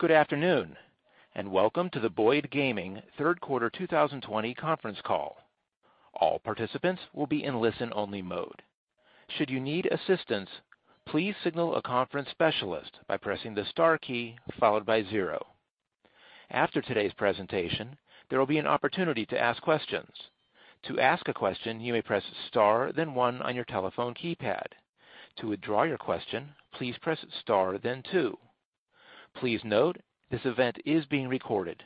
Good afternoon, and welcome to the Boyd Gaming Third Quarter 2020 conference call. All participants will be in listen-only mode. Should you need assistance, please signal a conference specialist by pressing the star key followed by zero. After today's presentation, there will be an opportunity to ask questions. To ask a question, you may press star, then one on your telephone keypad. To withdraw your question, please press star, then two. Please note, this event is being recorded.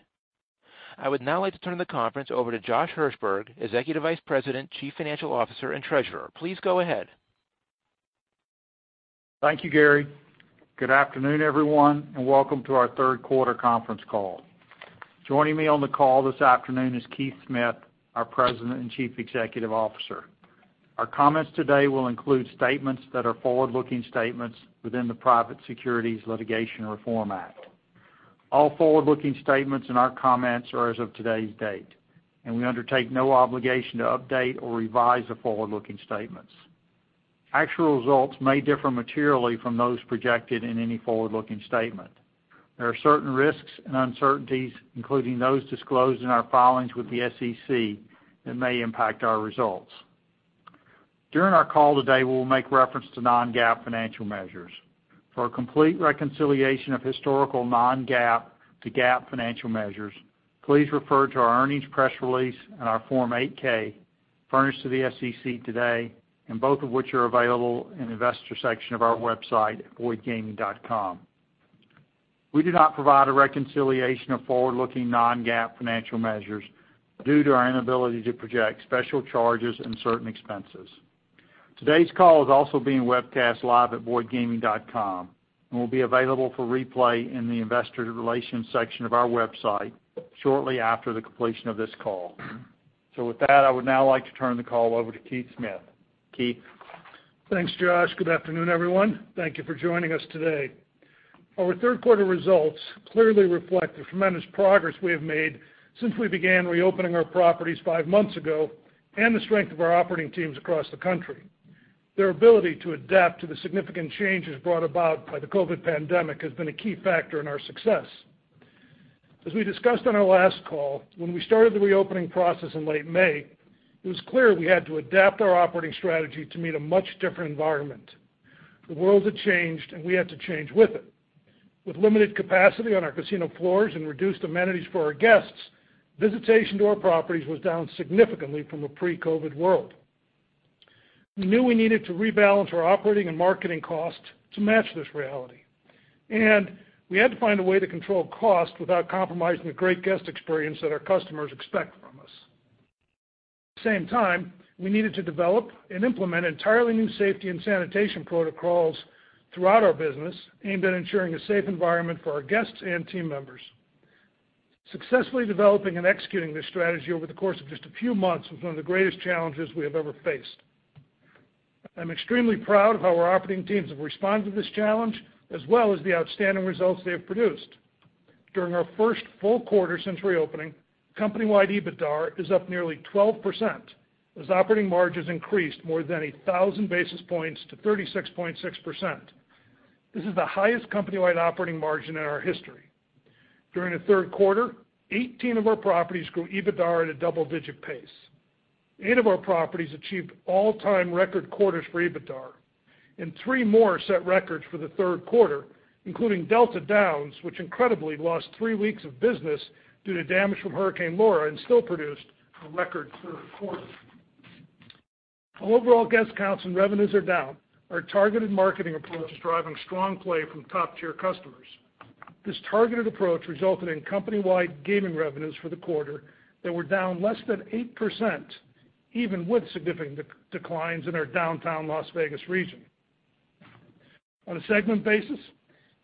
I would now like to turn the conference over to Josh Hirsberg, Executive Vice President, Chief Financial Officer, and Treasurer. Please go ahead. Thank you, Gary. Good afternoon, everyone, and welcome to our third quarter conference call. Joining me on the call this afternoon is Keith Smith, our President and Chief Executive Officer. Our comments today will include statements that are forward-looking statements within the Private Securities Litigation Reform Act. All forward-looking statements in our comments are as of today's date, and we undertake no obligation to update or revise the forward-looking statements. Actual results may differ materially from those projected in any forward-looking statement. There are certain risks and uncertainties, including those disclosed in our filings with the SEC, that may impact our results. During our call today, we will make reference to non-GAAP financial measures. For a complete reconciliation of historical non-GAAP to GAAP financial measures, please refer to our earnings press release and our Form 8-K, furnished to the SEC today, and both of which are available in the investor section of our website at boydgaming.com. We do not provide a reconciliation of forward-looking non-GAAP financial measures due to our inability to project special charges and certain expenses. Today's call is also being webcast live at boydgaming.com and will be available for replay in the investor relations section of our website shortly after the completion of this call. So with that, I would now like to turn the call over to Keith Smith. Keith? Thanks, Josh. Good afternoon, everyone. Thank you for joining us today. Our third quarter results clearly reflect the tremendous progress we have made since we began reopening our properties five months ago, and the strength of our operating teams across the country. Their ability to adapt to the significant changes brought about by the COVID pandemic has been a key factor in our success. As we discussed on our last call, when we started the reopening process in late May, it was clear we had to adapt our operating strategy to meet a much different environment. The world had changed, and we had to change with it. With limited capacity on our casino floors and reduced amenities for our guests, visitation to our properties was down significantly from a pre-COVID world. We knew we needed to rebalance our operating and marketing costs to match this reality, and we had to find a way to control costs without compromising the great guest experience that our customers expect from us. At the same time, we needed to develop and implement entirely new safety and sanitation protocols throughout our business, aimed at ensuring a safe environment for our guests and team members. Successfully developing and executing this strategy over the course of just a few months was one of the greatest challenges we have ever faced. I'm extremely proud of how our operating teams have responded to this challenge, as well as the outstanding results they have produced. During our first full quarter since reopening, company-wide EBITDA is up nearly 12%, as operating margins increased more than 1,000 basis points to 36.6%. This is the highest company-wide operating margin in our history. During the third quarter, 18 of our properties grew EBITDA at a double-digit pace. Eight of our properties achieved all-time record quarters for EBITDA, and 3 more set records for the third quarter, including Delta Downs, which incredibly lost 3 weeks of business due to damage from Hurricane Laura and still produced a record third quarter. While overall guest counts and revenues are down, our targeted marketing approach is driving strong play from top-tier customers. This targeted approach resulted in company-wide gaming revenues for the quarter that were down less than 8%, even with significant declines in our Downtown Las Vegas region. On a segment basis,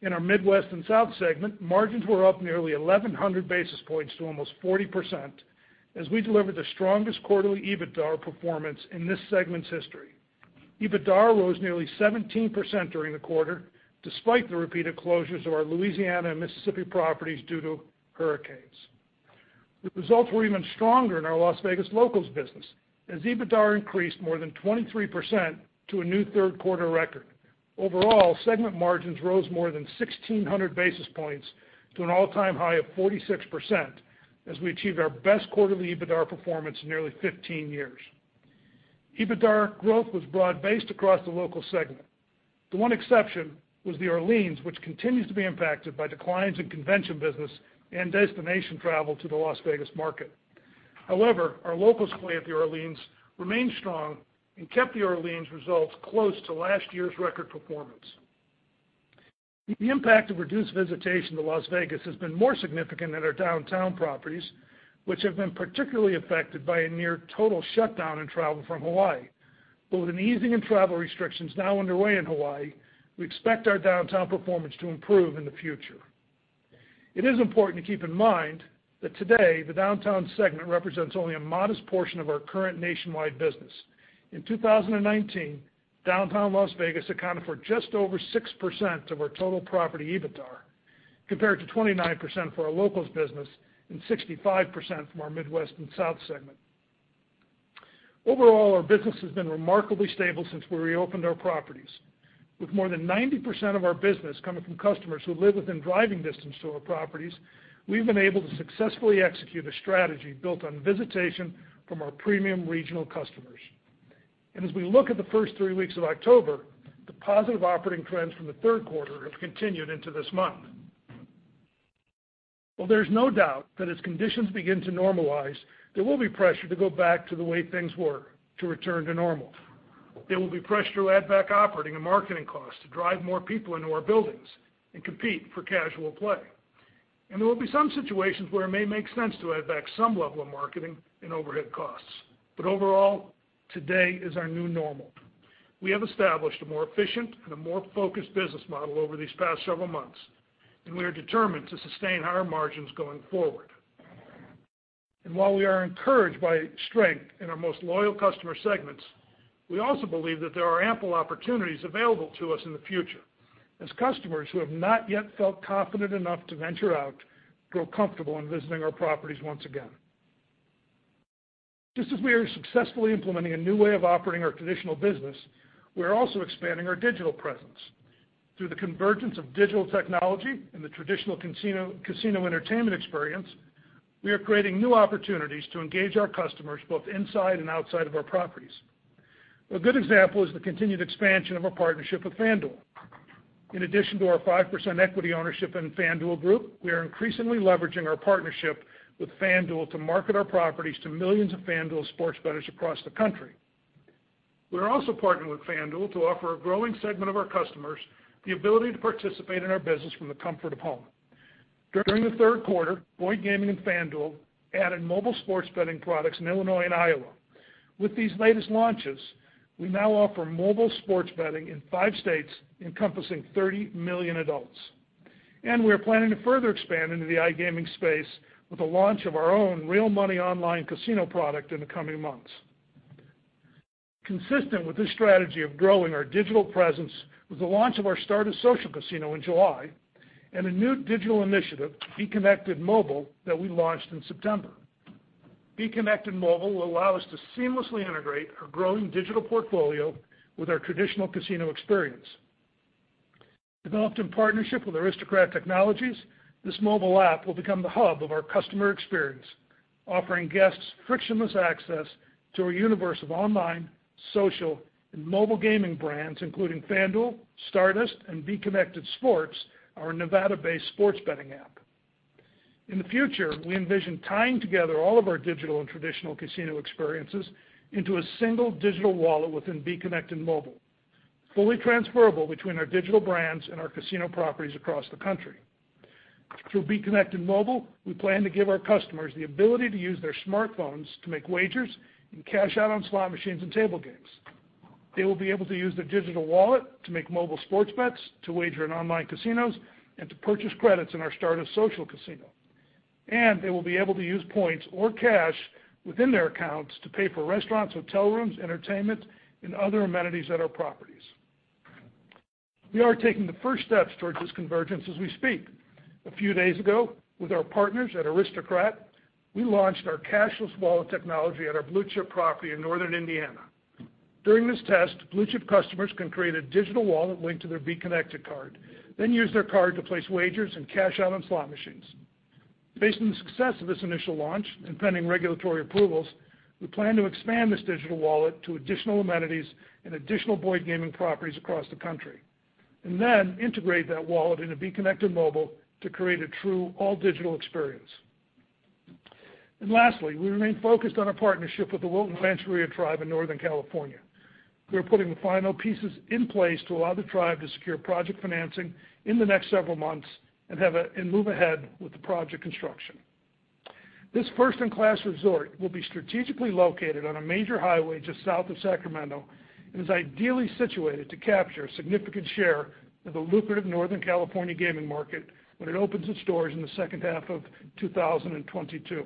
in our Midwest and South segment, margins were up nearly 1,100 basis points to almost 40%, as we delivered the strongest quarterly EBITDA performance in this segment's history. EBITDA rose nearly 17% during the quarter, despite the repeated closures of our Louisiana and Mississippi properties due to hurricanes. The results were even stronger in our Las Vegas Locals business, as EBITDA increased more than 23% to a new third quarter record. Overall, segment margins rose more than 1,600 basis points to an all-time high of 46%, as we achieved our best quarterly EBITDA performance in nearly 15 years. EBITDA growth was broad-based across the local segment. The one exception was the Orleans, which continues to be impacted by declines in convention business and destination travel to the Las Vegas market. However, our locals play at the Orleans remained strong and kept the Orleans results close to last year's record performance. The impact of reduced visitation to Las Vegas has been more significant at our downtown properties, which have been particularly affected by a near-total shutdown in travel from Hawaii. But with an easing in travel restrictions now underway in Hawaii, we expect our downtown performance to improve in the future. It is important to keep in mind that today, the downtown segment represents only a modest portion of our current nationwide business. In 2019, Downtown Las Vegas accounted for just over 6% of our total property EBITDA, compared to 29% for our Locals business and 65% from our Midwest and South segment. Overall, our business has been remarkably stable since we reopened our properties. With more than 90% of our business coming from customers who live within driving distance to our properties, we've been able to successfully execute a strategy built on visitation from our premium regional customers. As we look at the first three weeks of October, the positive operating trends from the third quarter have continued into this month. Well, there's no doubt that as conditions begin to normalize, there will be pressure to go back to the way things were, to return to normal. There will be pressure to add back operating and marketing costs to drive more people into our buildings and compete for casual play. There will be some situations where it may make sense to add back some level of marketing and overhead costs. Overall, today is our new normal. We have established a more efficient and a more focused business model over these past several months, and we are determined to sustain higher margins going forward. While we are encouraged by strength in our most loyal customer segments, we also believe that there are ample opportunities available to us in the future as customers who have not yet felt confident enough to venture out grow comfortable in visiting our properties once again. Just as we are successfully implementing a new way of operating our traditional business, we are also expanding our digital presence. Through the convergence of digital technology and the traditional casino casino entertainment experience, we are creating new opportunities to engage our customers, both inside and outside of our properties. A good example is the continued expansion of our partnership with FanDuel. In addition to our 5% equity ownership in FanDuel Group, we are increasingly leveraging our partnership with FanDuel to market our properties to millions of FanDuel sports bettors across the country. We are also partnering with FanDuel to offer a growing segment of our customers the ability to participate in our business from the comfort of home. During the third quarter, Boyd Gaming and FanDuel added mobile sports betting products in Illinois and Iowa. With these latest launches, we now offer mobile sports betting in five states, encompassing 30 million adults. And we are planning to further expand into the iGaming space with the launch of our own real money online casino product in the coming months. Consistent with this strategy of growing our digital presence, was the launch of our Stardust Social Casino in July, and a new digital initiative, B Connected Mobile, that we launched in September. Connected Mobile will allow us to seamlessly integrate our growing digital portfolio with our traditional casino experience. Developed in partnership with Aristocrat Technologies, this mobile app will become the hub of our customer experience, offering guests frictionless access to our universe of online, social, and mobile gaming brands, including FanDuel, Stardust, and B Connected Sports, our Nevada-based sports betting app. In the future, we envision tying together all of our digital and traditional casino experiences into a single digital wallet within B Connected Mobile, fully transferable between our digital brands and our casino properties across the country. Through B Connected Mobile, we plan to give our customers the ability to use their smartphones to make wagers and cash out on slot machines and table games. They will be able to use their digital wallet to make mobile sports bets, to wager in online casinos, and to purchase credits in our Stardust Social Casino. They will be able to use points or cash within their accounts to pay for restaurants, hotel rooms, entertainment, and other amenities at our properties. We are taking the first steps towards this convergence as we speak. A few days ago, with our partners at Aristocrat, we launched our cashless wallet technology at our Blue Chip property in Northern Indiana. During this test, Blue Chip customers can create a digital wallet linked to their B Connected card, then use their card to place wagers and cash out on slot machines. Based on the success of this initial launch and pending regulatory approvals, we plan to expand this digital wallet to additional amenities and additional Boyd Gaming properties across the country, and then integrate that wallet into B Connected Mobile to create a true all-digital experience. And lastly, we remain focused on our partnership with the Wilton Rancheria Tribe in Northern California. We are putting the final pieces in place to allow the tribe to secure project financing in the next several months and move ahead with the project construction. This first-in-class resort will be strategically located on a major highway just south of Sacramento, and is ideally situated to capture a significant share of the lucrative Northern California gaming market when it opens its doors in the second half of 2022.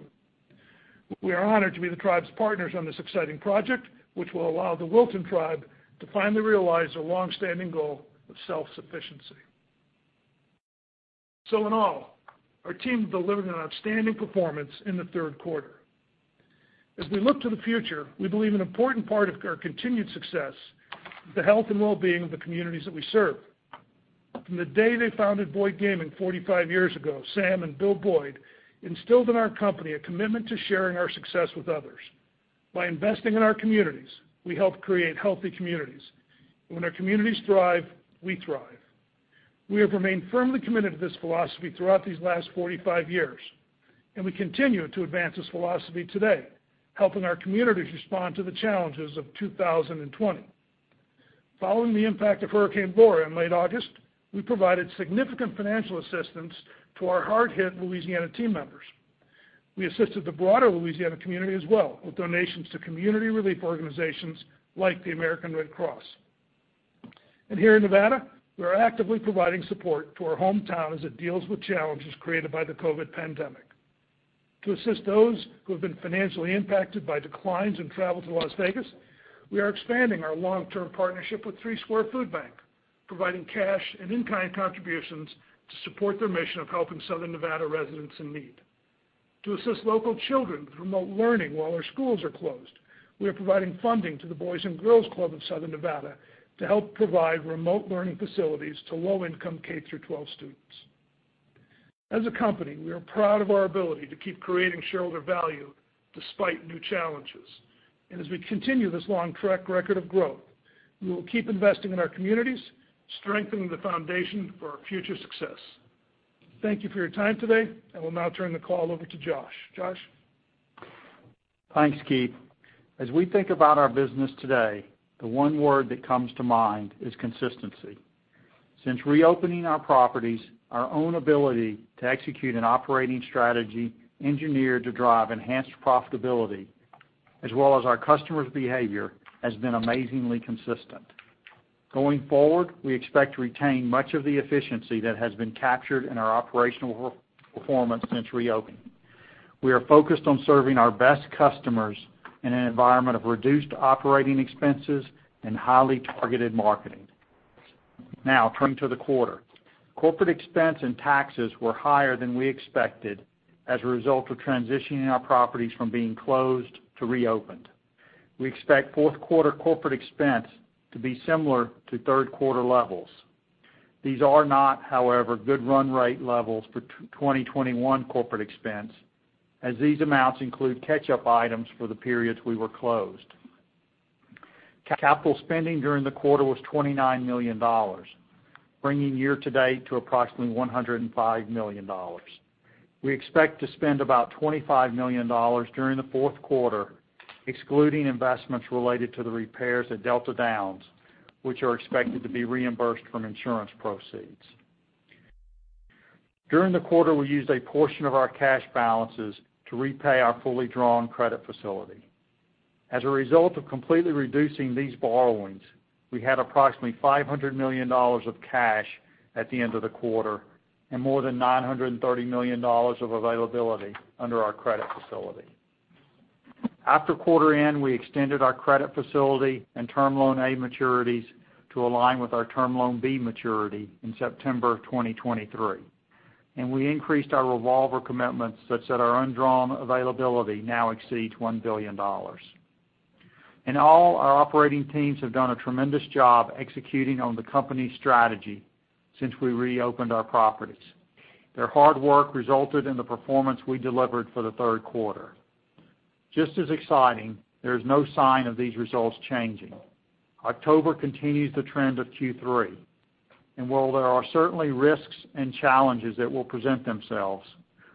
We are honored to be the tribe's partners on this exciting project, which will allow the Wilton tribe to finally realize their long-standing goal of self-sufficiency. So in all, our team delivered an outstanding performance in the third quarter. As we look to the future, we believe an important part of our continued success is the health and well-being of the communities that we serve. From the day they founded Boyd Gaming 45 years ago, Sam and Bill Boyd instilled in our company a commitment to sharing our success with others. By investing in our communities, we help create healthy communities. When our communities thrive, we thrive. We have remained firmly committed to this philosophy throughout these last 45 years, and we continue to advance this philosophy today, helping our communities respond to the challenges of 2020. Following the impact of Hurricane Laura in late August, we provided significant financial assistance to our hard-hit Louisiana team members. We assisted the broader Louisiana community as well, with donations to community relief organizations like the American Red Cross. Here in Nevada, we are actively providing support to our hometown as it deals with challenges created by the COVID pandemic. To assist those who have been financially impacted by declines in travel to Las Vegas. We are expanding our long-term partnership with Three Square Food Bank, providing cash and in-kind contributions to support their mission of helping Southern Nevada residents in need. To assist local children with remote learning while our schools are closed, we are providing funding to the Boys and Girls Club of Southern Nevada to help provide remote learning facilities to low-income K through 12 students. As a company, we are proud of our ability to keep creating shareholder value despite new challenges. As we continue this long track record of growth, we will keep investing in our communities, strengthening the foundation for our future success. Thank you for your time today, I will now turn the call over to Josh. Josh? Thanks, Keith. As we think about our business today, the one word that comes to mind is consistency. Since reopening our properties, our own ability to execute an operating strategy engineered to drive enhanced profitability, as well as our customers' behavior, has been amazingly consistent. Going forward, we expect to retain much of the efficiency that has been captured in our operational work performance since reopening. We are focused on serving our best customers in an environment of reduced operating expenses and highly targeted marketing. Now, turning to the quarter. Corporate expense and taxes were higher than we expected as a result of transitioning our properties from being closed to reopened. We expect fourth quarter corporate expense to be similar to third quarter levels. These are not, however, good run rate levels for 2021 corporate expense, as these amounts include catch-up items for the periods we were closed. Capital spending during the quarter was $29 million, bringing year-to-date to approximately $105 million. We expect to spend about $25 million during the fourth quarter, excluding investments related to the repairs at Delta Downs, which are expected to be reimbursed from insurance proceeds. During the quarter, we used a portion of our cash balances to repay our fully drawn credit facility. As a result of completely reducing these borrowings, we had approximately $500 million of cash at the end of the quarter and more than $930 million of availability under our credit facility. After quarter end, we extended our credit facility and Term Loan A maturities to align with our Term Loan B maturity in September 2023, and we increased our revolver commitments such that our undrawn availability now exceeds $1 billion. In all, our operating teams have done a tremendous job executing on the company's strategy since we reopened our properties. Their hard work resulted in the performance we delivered for the third quarter. Just as exciting, there is no sign of these results changing. October continues the trend of Q3, and while there are certainly risks and challenges that will present themselves,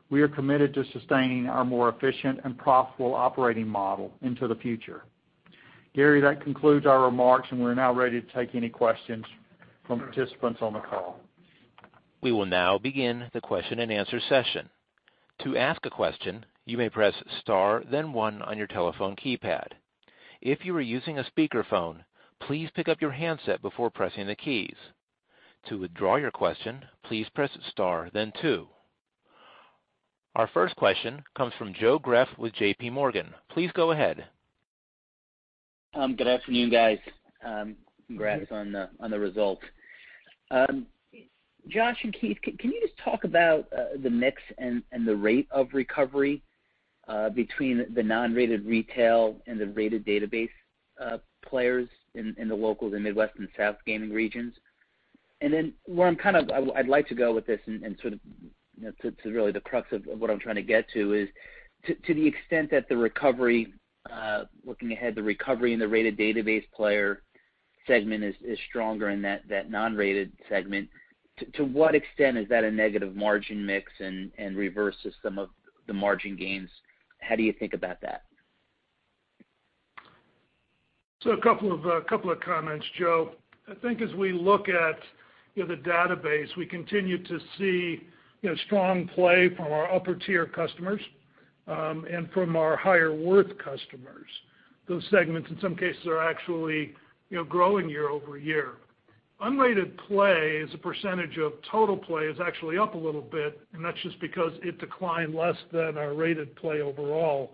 we are committed to sustaining our more efficient and profitable operating model into the future. Gary, that concludes our remarks, and we're now ready to take any questions from participants on the call. We will now begin the question-and-answer session. To ask a question, you may press star, then one on your telephone keypad. If you are using a speakerphone, please pick up your handset before pressing the keys. To withdraw your question, please press star then two. Our first question comes from Joe Greff with JPMorgan Chase & Co.. Please go ahead. Good afternoon, guys. Congrats on the results. Josh and Keith, can you just talk about the mix and the rate of recovery between the non-rated retail and the rated database players in the locals, the Midwest and South gaming regions? And then, where I'd like to go with this and sort of, you know, to really the crux of what I'm trying to get to is, to the extent that the recovery looking ahead, the recovery in the rated database player segment is stronger than that non-rated segment, to what extent is that a negative margin mix and reverses some of the margin gains? How do you think about that? So a couple of couple of comments, Joe. I think as we look at, you know, the database, we continue to see, you know, strong play from our upper-tier customers, and from our higher worth customers. Those segments, in some cases, are actually, you know, growing year-over-year. Unrated play as a percentage of total play is actually up a little bit, and that's just because it declined less than our rated play overall.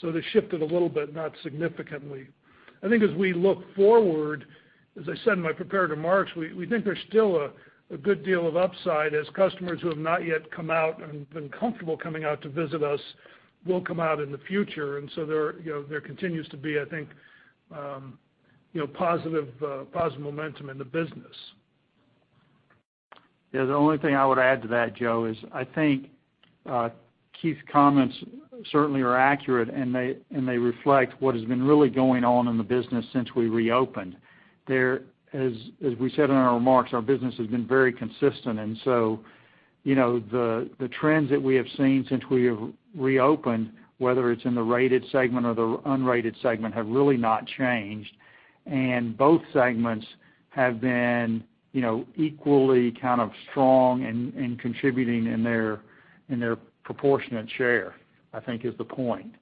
So they shifted a little bit, not significantly. I think as we look forward, as I said in my prepared remarks, we, we think there's still a, a good deal of upside as customers who have not yet come out and been comfortable coming out to visit us will come out in the future. And so there, you know, there continues to be, I think, you know, positive, positive momentum in the business. Yeah, the only thing I would add to that, Joe, is I think, Keith's comments certainly are accurate, and they reflect what has been really going on in the business since we reopened. As we said in our remarks, our business has been very consistent, and so, you know, the trends that we have seen since we have reopened, whether it's in the rated segment or the unrated segment, have really not changed. And both segments have been, you know, equally kind of strong and contributing in their proportionate share, I think is the point.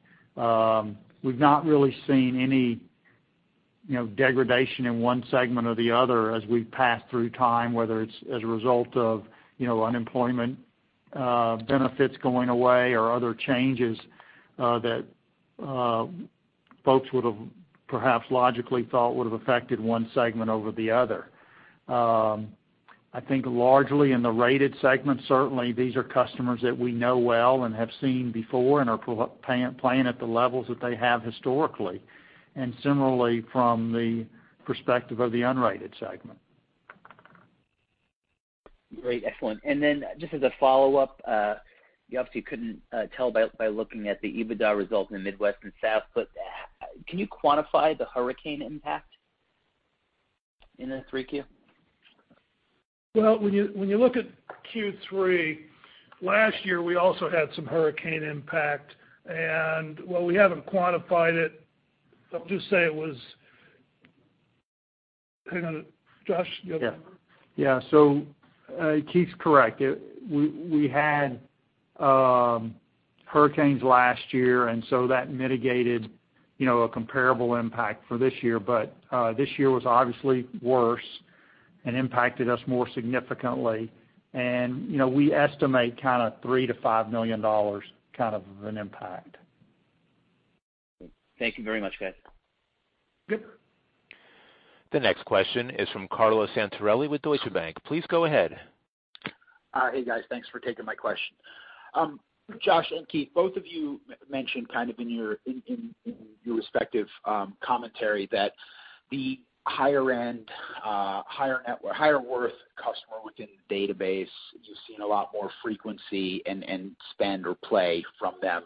We've not really seen any, you know, degradation in one segment or the other as we've passed through time, whether it's as a result of, you know, unemployment,... benefits going away or other changes, that folks would have perhaps logically thought would have affected one segment over the other. I think largely in the rated segment, certainly these are customers that we know well and have seen before and are paying, playing at the levels that they have historically, and similarly from the perspective of the unrated segment. Great, excellent. And then just as a follow-up, you obviously couldn't tell by, by looking at the EBITDA results in the Midwest and South, but, can you quantify the hurricane impact in the 3Q? Well, when you, when you look at Q3 last year, we also had some hurricane impact, and while we haven't quantified it, I'll just say it was... Hang on, Josh? Yeah. Yeah. So, Keith's correct. We had hurricanes last year, and so that mitigated, you know, a comparable impact for this year. But, this year was obviously worse and impacted us more significantly. And, you know, we estimate kind of $3 million-$5 million kind of an impact. Thank you very much, guys. Good. The next question is from Carlo Santarelli with Deutsche Bank. Please go ahead. Hey, guys. Thanks for taking my question. Josh and Keith, both of you mentioned kind of in your respective commentary that the higher end, higher net worth, higher worth customer within the database, you've seen a lot more frequency and spend or play from them.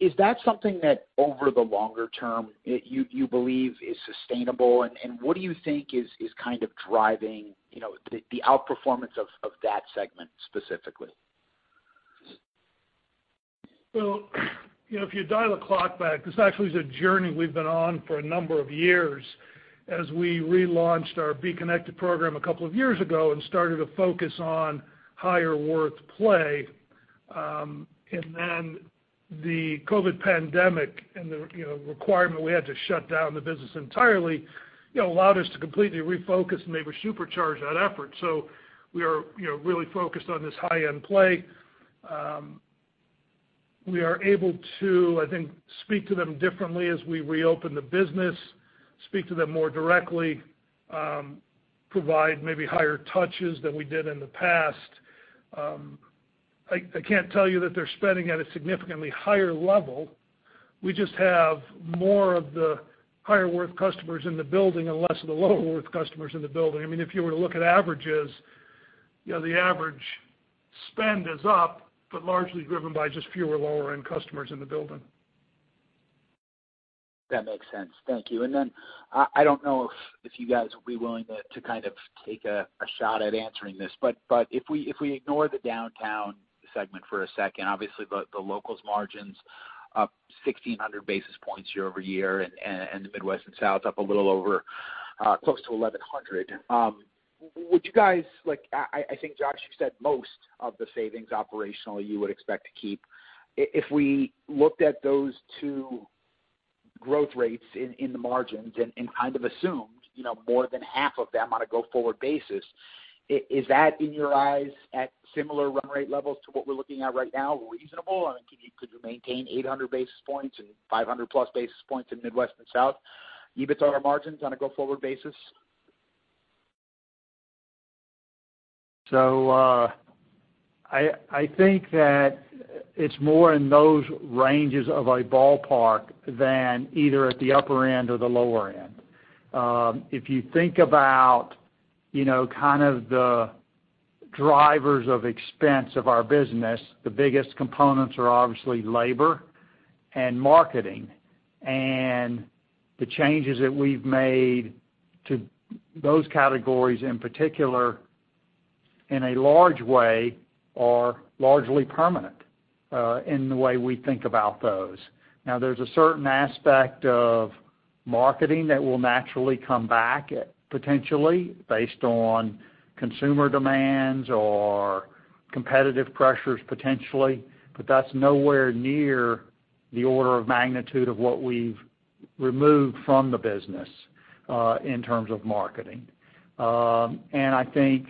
Is that something that over the longer term, you believe is sustainable? And what do you think is kind of driving, you know, the outperformance of that segment specifically? So, you know, if you dial the clock back, this actually is a journey we've been on for a number of years as we relaunched our B Connected program a couple of years ago and started to focus on higher worth play. And then the COVID pandemic and the, you know, requirement we had to shut down the business entirely, you know, allowed us to completely refocus and maybe supercharge that effort. So we are, you know, really focused on this high-end play. We are able to, I think, speak to them differently as we reopen the business, speak to them more directly, provide maybe higher touches than we did in the past. I can't tell you that they're spending at a significantly higher level. We just have more of the higher worth customers in the building and less of the lower worth customers in the building. I mean, if you were to look at averages, you know, the average spend is up, but largely driven by just fewer lower-end customers in the building. That makes sense. Thank you. And then, I don't know if you guys would be willing to kind of take a shot at answering this, but if we ignore the downtown segment for a second, obviously, the locals margins up 1,600 basis points year-over-year, and the Midwest and South up a little over close to 1,100. Would you guys like... I think, Josh, you said most of the savings operationally, you would expect to keep. If we looked at those two growth rates in the margins and kind of assumed, you know, more than half of them on a go-forward basis, is that, in your eyes, at similar run rate levels to what we're looking at right now, reasonable? I mean, could you, could you maintain 800 basis points and 500+ basis points in Midwest and South, EBITDA margins on a go-forward basis? So, I think that it's more in those ranges of a ballpark than either at the upper end or the lower end. If you think about, you know, kind of the drivers of expense of our business, the biggest components are obviously labor and marketing. And the changes that we've made to those categories, in particular, in a large way, are largely permanent, in the way we think about those. Now, there's a certain aspect of marketing that will naturally come back, potentially based on consumer demands or competitive pressures, potentially, but that's nowhere near the order of magnitude of what we've removed from the business, in terms of marketing. I think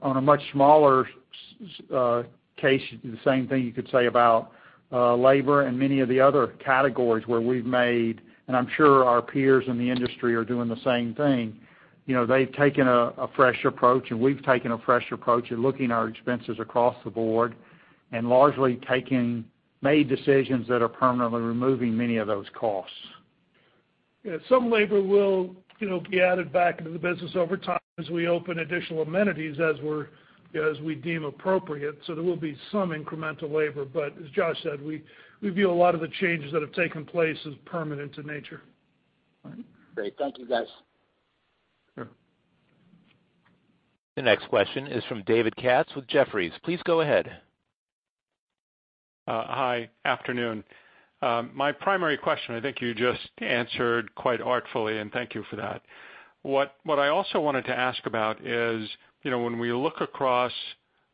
on a much smaller case, the same thing you could say about labor and many of the other categories where we've made, and I'm sure our peers in the industry are doing the same thing. You know, they've taken a fresh approach, and we've taken a fresh approach at looking our expenses across the board and largely taking made decisions that are permanently removing many of those costs. Yeah, some labor will, you know, be added back into the business over time as we open additional amenities, as we deem appropriate. So there will be some incremental labor. But as Josh said, we view a lot of the changes that have taken place as permanent in nature. Great. Thank you, guys. Sure. The next question is from David Katz with Jefferies. Please go ahead. Hi. Afternoon. My primary question, I think you just answered quite artfully, and thank you for that. What I also wanted to ask about is, you know, when we look across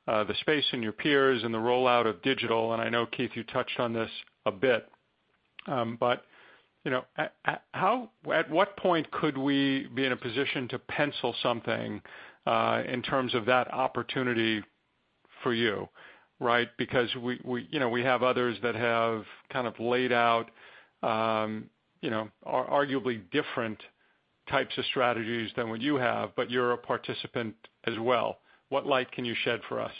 the space and your peers and the rollout of digital, and I know, Keith, you touched on this a bit.... but, you know, at what point could we be in a position to pencil something in terms of that opportunity for you, right? Because we, you know, we have others that have kind of laid out, you know, are arguably different types of strategies than what you have, but you're a participant as well. What light can you shed for us?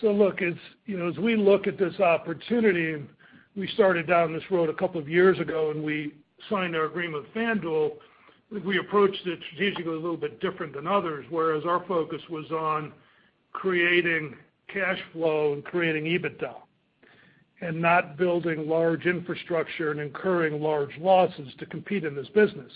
So look, as, you know, as we look at this opportunity, and we started down this road a couple of years ago, and we signed our agreement with FanDuel, we approached it strategically a little bit different than others, whereas our focus was on creating cash flow and creating EBITDA, and not building large infrastructure and incurring large losses to compete in this business.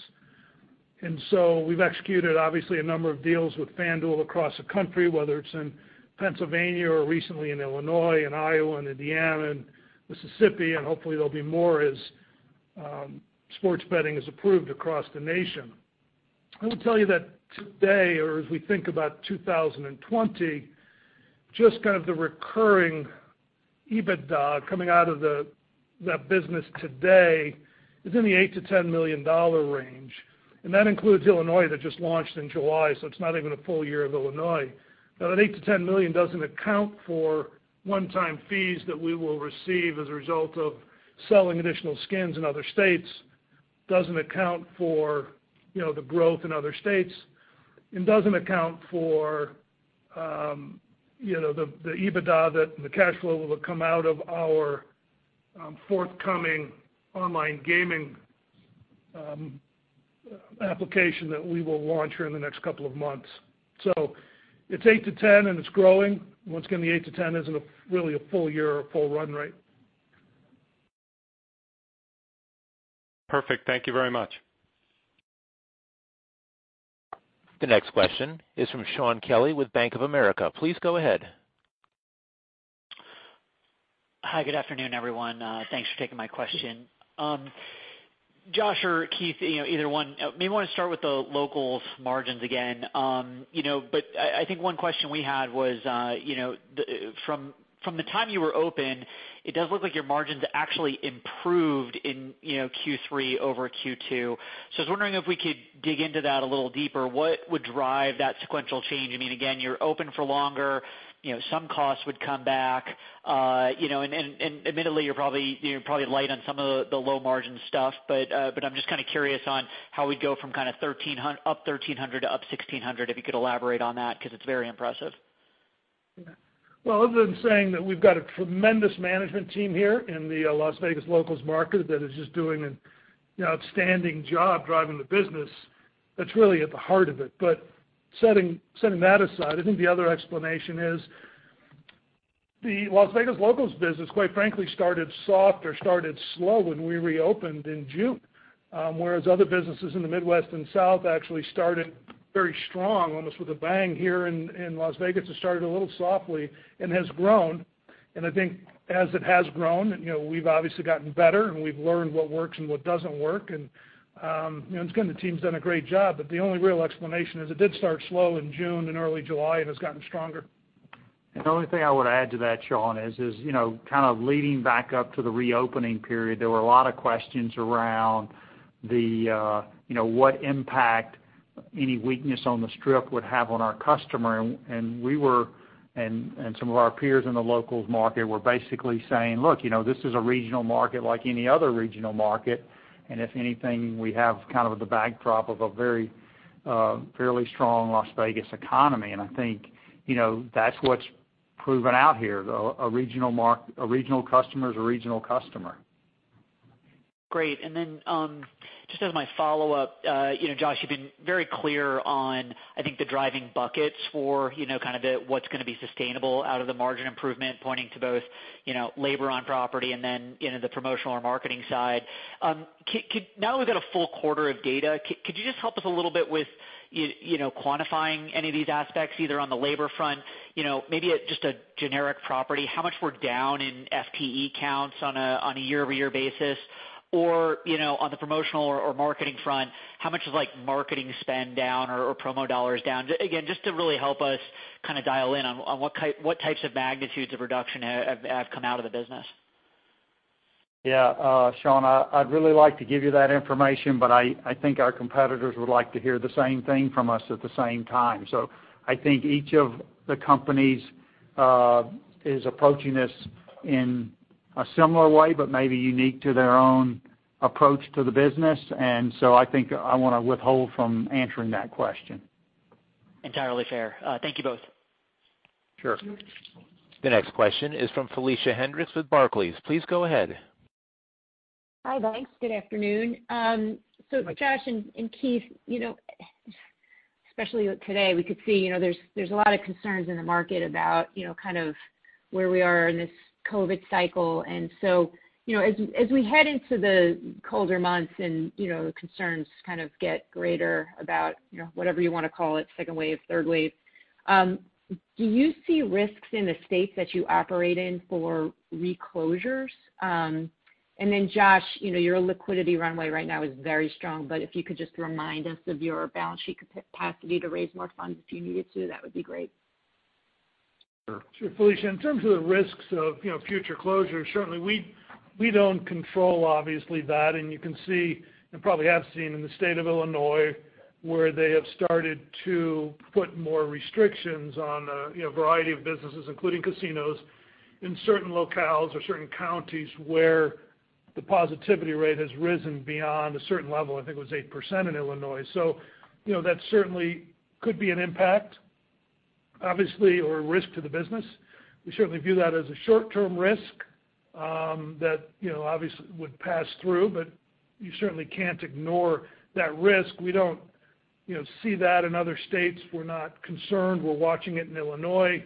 And so we've executed, obviously, a number of deals with FanDuel across the country, whether it's in Pennsylvania or recently in Illinois and Iowa and Indiana and Mississippi, and hopefully, there'll be more as sports betting is approved across the nation. I will tell you that today, or as we think about 2020, just kind of the recurring EBITDA coming out of the, that business today is in the $8million-$10 million range, and that includes Illinois that just launched in July, so it's not even a full year of Illinois. Now, that $8 million-$10 million doesn't account for one-time fees that we will receive as a result of selling additional skins in other states, doesn't account for, you know, the growth in other states, and doesn't account for, you know, the EBITDA that the cash flow will come out of our forthcoming online gaming application that we will launch here in the next couple of months. So it's $8 million-$10 million, and it's growing. What's going to be 8-10 isn't really a full year or full run rate. Perfect. Thank you very much. The next question is from Shaun Kelley with Bank of America. Please go ahead. Hi, good afternoon, everyone. Thanks for taking my question. Josh or Keith, you know, either one, maybe want to start with the locals margins again. You know, but I, I think one question we had was, you know, from the time you were open, it does look like your margins actually improved in, you know, Q3 over Q2. So I was wondering if we could dig into that a little deeper. What would drive that sequential change? I mean, again, you're open for longer, you know, some costs would come back, you know, and admittedly, you're probably, you're probably light on some of the, the low margin stuff, but, but I'm just kind of curious on how we go from kind of 1,300 up 1,300 to up 1,600, if you could elaborate on that, because it's very impressive. Well, other than saying that we've got a tremendous management team here in the Las Vegas Locals market that is just doing an, you know, outstanding job driving the business, that's really at the heart of it. But setting that aside, I think the other explanation is the Las Vegas Locals business, quite frankly, started soft or started slow when we reopened in June, whereas other businesses in the Midwest and South actually started very strong, almost with a bang. Here in Las Vegas, it started a little softly and has grown. And I think as it has grown, you know, we've obviously gotten better, and we've learned what works and what doesn't work. And, you know, again, the team's done a great job, but the only real explanation is it did start slow in June and early July and has gotten stronger. And the only thing I would add to that, Sean, is, you know, kind of leading back up to the reopening period, there were a lot of questions around the, you know, what impact any weakness on the Strip would have on our customer. And we were, and some of our peers in the locals market were basically saying: Look, you know, this is a regional market like any other regional market, and if anything, we have kind of the backdrop of a very, fairly strong Las Vegas economy. And I think, you know, that's what's proven out here, though, a regional customer is a regional customer. Great. And then, just as my follow-up, you know, Josh, you've been very clear on, I think, the driving buckets for, you know, kind of the, what's going to be sustainable out of the margin improvement, pointing to both, you know, labor on property and then, you know, the promotional or marketing side. Now that we've got a full quarter of data, could you just help us a little bit with you know, quantifying any of these aspects, either on the labor front, you know, maybe, just a generic property, how much we're down in FTE counts on a year-over-year basis, or, you know, on the promotional or marketing front, how much is like marketing spend down or promo dollars down? Again, just to really help us kind of dial in on what types of magnitudes of reduction have come out of the business. Yeah, Sean, I'd really like to give you that information, but I think our competitors would like to hear the same thing from us at the same time. So I think each of the companies is approaching this in a similar way, but maybe unique to their own approach to the business. And so I think I want to withhold from answering that question. Entirely fair. Thank you both. Sure. The next question is from Felicia Hendrix with Barclays. Please go ahead. Hi, guys. Good afternoon. So Josh and Keith, you know, especially today, we could see, you know, there's a lot of concerns in the market about, you know, kind of where we are in this COVID cycle. And so, you know, as we head into the colder months and, you know, the concerns kind of get greater about, you know, whatever you want to call it, second wave, third wave, do you see risks in the states that you operate in for reclosures? And then, Josh, you know, your liquidity runway right now is very strong, but if you could just remind us of your balance sheet capacity to raise more funds if you needed to, that would be great. ... Sure, Felicia, in terms of the risks of, you know, future closures, certainly, we, we don't control obviously that, and you can see, and probably have seen in the state of Illinois, where they have started to put more restrictions on, you know, a variety of businesses, including casinos, in certain locales or certain counties where the positivity rate has risen beyond a certain level. I think it was 8% in Illinois. So, you know, that certainly could be an impact, obviously, or a risk to the business. We certainly view that as a short-term risk, that, you know, obviously, would pass through, but you certainly can't ignore that risk. We don't, you know, see that in other states. We're not concerned. We're watching it in Illinois.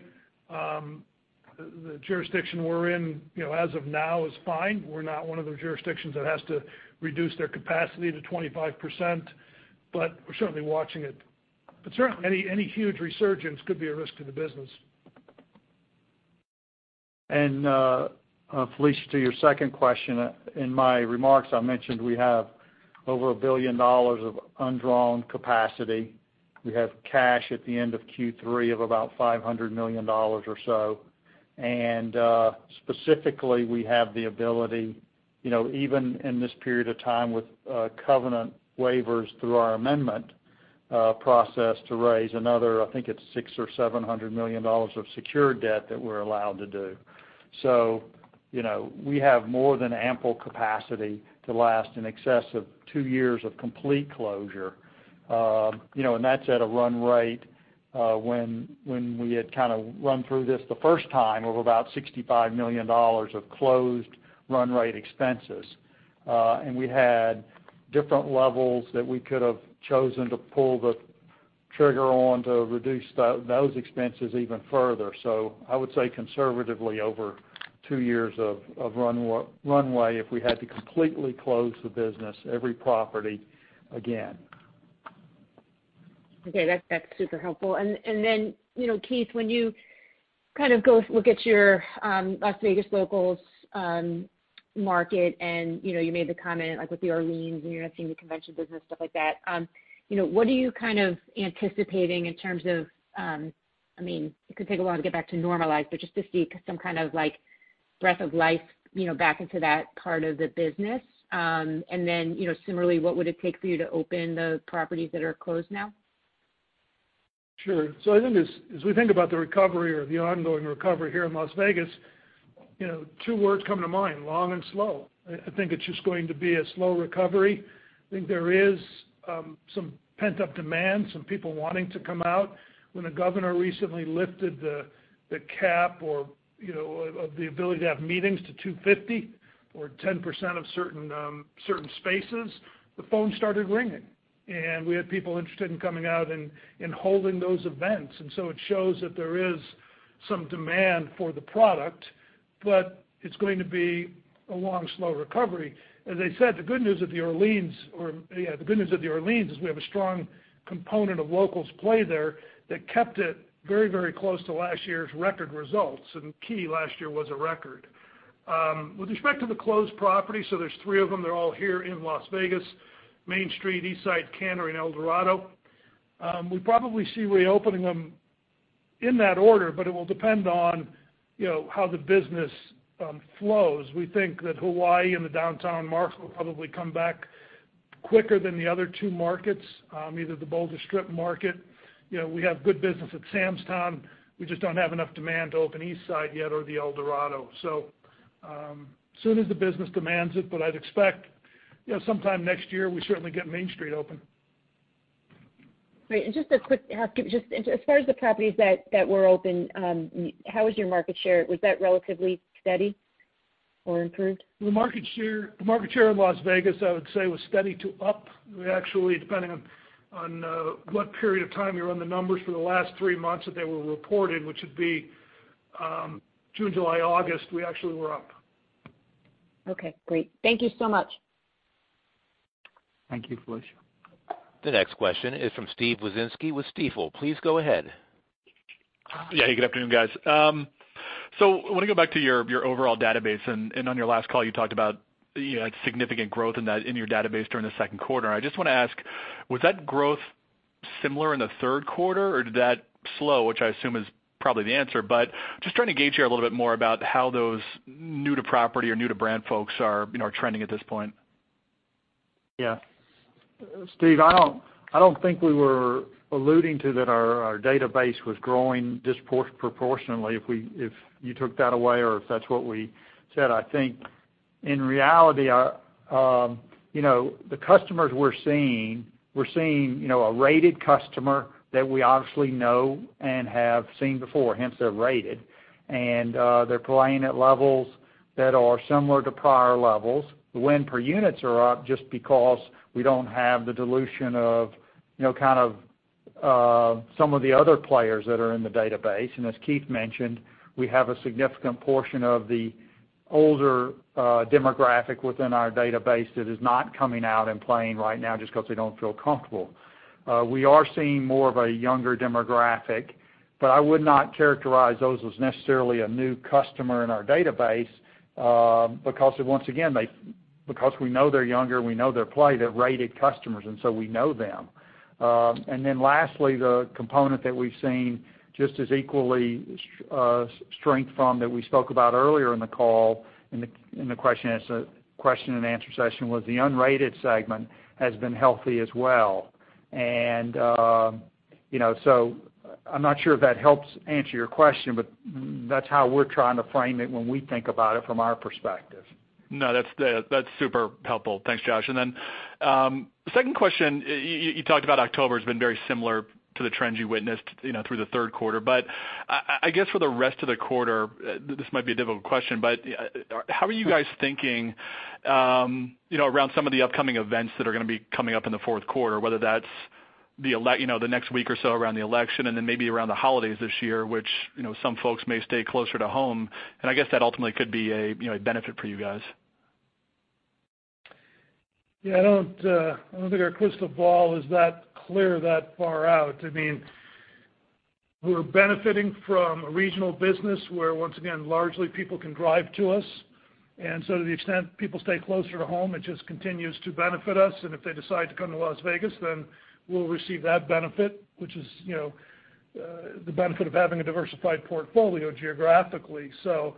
The jurisdiction we're in, you know, as of now is fine. We're not one of those jurisdictions that has to reduce their capacity to 25%, but we're certainly watching it. But certainly, any huge resurgence could be a risk to the business. Felicia, to your second question, in my remarks, I mentioned we have over a billion dollars of undrawn capacity. We have cash at the end of Q3 of about $500 million or so. And, specifically, we have the ability, you know, even in this period of time, with covenant waivers through our amendment process, to raise another, I think it's $600 million-$700 million of secured debt that we're allowed to do. So, you know, we have more than ample capacity to last in excess of two years of complete closure. You know, and that's at a run rate, when we had kind of run through this the first time of about $65 million of closed run rate expenses. And we had different levels that we could have chosen to pull the trigger on to reduce those expenses even further. So I would say conservatively, over two years of runway, if we had to completely close the business, every property again. Okay, that's super helpful. And then, you know, Keith, when you kind of go look at your Las Vegas Locals market, and, you know, you made the comment, like with the Orleans, and you're not seeing the convention business, stuff like that, you know, what are you kind of anticipating in terms of... I mean, it could take a while to get back to normalized, but just to see some kind of, like, breath of life, you know, back into that part of the business. And then, you know, similarly, what would it take for you to open the properties that are closed now? Sure. So I think as we think about the recovery or the ongoing recovery here in Las Vegas, you know, two words come to mind, long and slow. I think it's just going to be a slow recovery. I think there is some pent-up demand, some people wanting to come out. When the governor recently lifted the cap or, you know, of the ability to have meetings to 250 or 10% of certain spaces, the phone started ringing, and we had people interested in coming out and holding those events. So it shows that there is some demand for the product, but it's going to be a long, slow recovery. As I said, the good news at the Orleans, or, yeah, the good news at the Orleans is we have a strong component of locals play there that kept it very, very close to last year's record results, and key last year was a record. With respect to the closed properties, so there's three of them, they're all here in Las Vegas, Main Street, Eastside Cannery, and Eldorado, we probably see reopening them in that order, but it will depend on, you know, how the business flows. We think that Hawaii and the downtown markets will probably come back quicker than the other two markets, either the Boulder Strip market. You know, we have good business at Sam's Town. We just don't have enough demand to open Eastside yet or the Eldorado. As soon as the business demands it, but I'd expect, you know, sometime next year, we certainly get Main Street open. Great. And just a quick, just as far as the properties that were open, how was your market share? Was that relatively steady or improved? The market share, the market share in Las Vegas, I would say, was steady to up. We actually, depending on, what period of time you run the numbers for the last three months that they were reported, which would be, June, July, August, we actually were up. Okay, great. Thank you so much. Thank you, Felicia. The next question is from Steve Wieczynski with Stifel. Please go ahead. Yeah, good afternoon, guys. So I want to go back to your overall database, and on your last call, you talked about you had significant growth in that in your database during the second quarter. I just want to ask, was that growth similar in the third quarter, or did that slow, which I assume is probably the answer, but just trying to gauge here a little bit more about how those new to property or new to brand folks are, you know, are trending at this point. Yeah. Steve, I don't think we were alluding to that our database was growing disproportionately, if you took that away or if that's what we said. I think in reality, our, you know, the customers we're seeing, we're seeing, you know, a rated customer that we obviously know and have seen before, hence, they're rated. And they're playing at levels that are similar to prior levels. The win per units are up just because we don't have the dilution of, you know, kind of some of the other players that are in the database. And as Keith mentioned, we have a significant portion of the older demographic within our database that is not coming out and playing right now just because they don't feel comfortable. We are seeing more of a younger demographic, but I would not characterize those as necessarily a new customer in our database, because once again, because we know they're younger, we know their play, they're rated customers, and so we know them. And then lastly, the component that we've seen just as equally, strength from, that we spoke about earlier in the call, in the question and answer session, was the unrated segment has been healthy as well. And, you know, so I'm not sure if that helps answer your question, but that's how we're trying to frame it when we think about it from our perspective. No, that's, that's super helpful. Thanks, Josh. And then, the second question, you talked about October has been very similar to the trends you witnessed, you know, through the third quarter. But I guess for the rest of the quarter, this might be a difficult question, but, how are you guys thinking, you know, around some of the upcoming events that are going to be coming up in the fourth quarter, whether that's the election, you know, the next week or so around the election and then maybe around the holidays this year, which, you know, some folks may stay closer to home, and I guess that ultimately could be a, you know, a benefit for you guys? Yeah, I don't, I don't think our crystal ball is that clear that far out. I mean, we're benefiting from a regional business where, once again, largely people can drive to us. And so to the extent people stay closer to home, it just continues to benefit us. And if they decide to come to Las Vegas, then we'll receive that benefit, which is, you know, the benefit of having a diversified portfolio geographically. So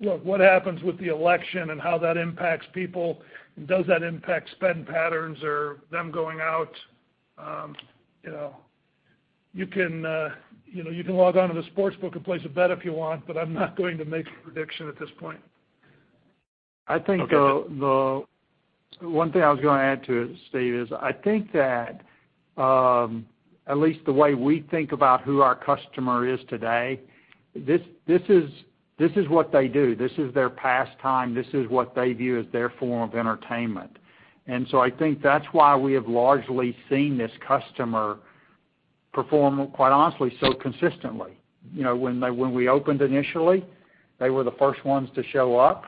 look, what happens with the election and how that impacts people, does that impact spend patterns or them going out? You know, you can, you know, you can log on to the sportsbook and place a bet if you want, but I'm not going to make a prediction at this point. I think one thing I was going to add to it, Steve, is I think that at least the way we think about who our customer is today, this is what they do. This is their pastime. This is what they view as their form of entertainment. And so I think that's why we have largely seen this customer perform, quite honestly, so consistently. You know, when we opened initially, they were the first ones to show up,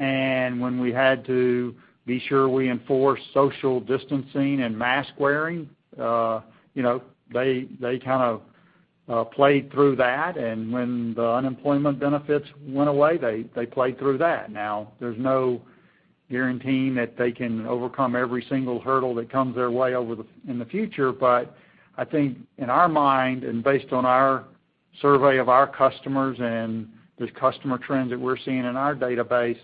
and when we had to be sure we enforced social distancing and mask wearing, you know, they kind of played through that, and when the unemployment benefits went away, they played through that. Now, there's no guaranteeing that they can overcome every single hurdle that comes their way over the, in the future. But I think in our mind, and based on our survey of our customers and the customer trends that we're seeing in our database,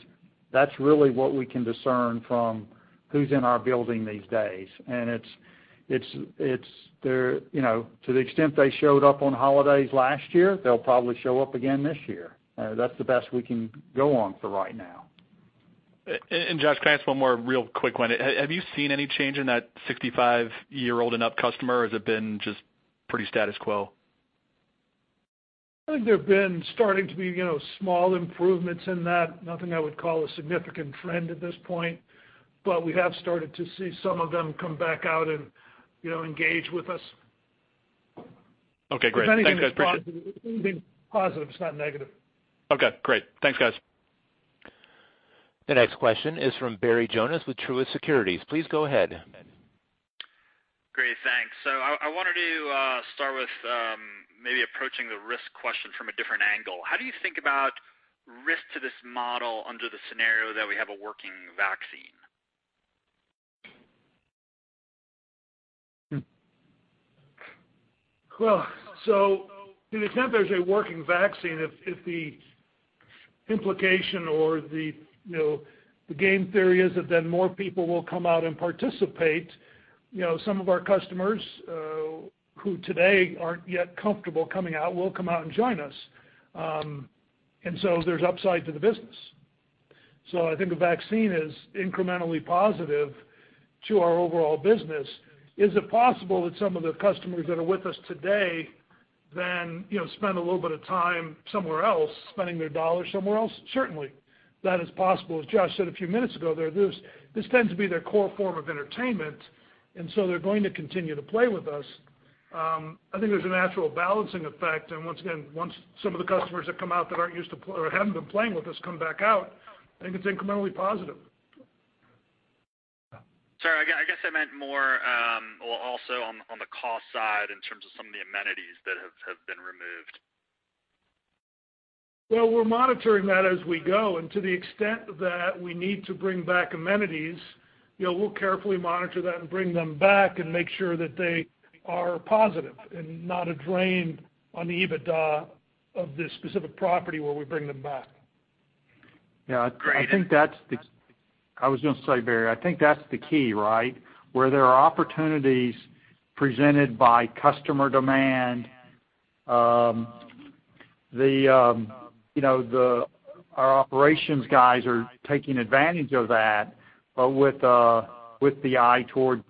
that's really what we can discern from who's in our building these days. And it's there, you know, to the extent they showed up on holidays last year, they'll probably show up again this year. That's the best we can go on for right now. And Josh, can I ask one more real quick one? Have you seen any change in that 65-year-old and up customer, or has it been just pretty status quo? I think there have been starting to be, you know, small improvements in that. Nothing I would call a significant trend at this point, but we have started to see some of them come back out and, you know, engage with us. Okay, great. Thanks, guys, appreciate it. Anything positive, it's not negative. Okay, great. Thanks, guys. The next question is from Barry Jonas with Truist Securities. Please go ahead. Great, thanks. So I wanted to start with maybe approaching the risk question from a different angle. How do you think about risk to this model under the scenario that we have a working vaccine? Well, so to the extent there's a working vaccine, if the implication or the, you know, the game theory is that then more people will come out and participate, you know, some of our customers who today aren't yet comfortable coming out, will come out and join us. And so there's upside to the business. So I think a vaccine is incrementally positive to our overall business. Is it possible that some of the customers that are with us today then, you know, spend a little bit of time somewhere else, spending their dollars somewhere else? Certainly. That is possible. As Josh said a few minutes ago, this tends to be their core form of entertainment, and so they're going to continue to play with us. I think there's a natural balancing effect. And once again, once some of the customers that come out that aren't used to or haven't been playing with us, come back out, I think it's incrementally positive. Sorry, I guess I meant more, well, also on the cost side, in terms of some of the amenities that have been removed. Well, we're monitoring that as we go, and to the extent that we need to bring back amenities, you know, we'll carefully monitor that and bring them back and make sure that they are positive and not a drain on the EBITDA of this specific property, where we bring them back. Great. Yeah, Barry, I think that's the key, right? Where there are opportunities presented by customer demand, you know, our operations guys are taking advantage of that, but with the eye toward